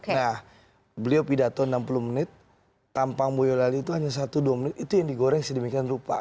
nah beliau pidato enam puluh menit tampang boyolali itu hanya satu dua menit itu yang digoreng sedemikian rupa